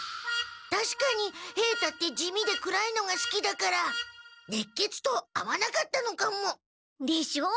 たしかに平太って地味で暗いのがすきだからねっけつと合わなかったのかも。でしょ？